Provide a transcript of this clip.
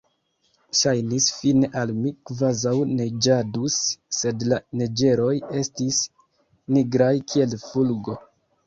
Ŝajnis fine al mi, kvazaŭ neĝadus, sed la neĝeroj estis nigraj kiel fulgo.